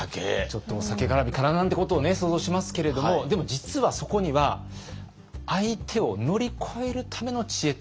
ちょっとお酒がらみかななんてことを想像しますけれどもでも実はそこには相手を乗り越えるための知恵っていうのがあったんです。